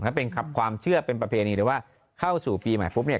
ถ้าเป็นความเชื่อเป็นประเพณีหรือว่าเข้าสู่ปีใหม่ปุ๊บเนี่ย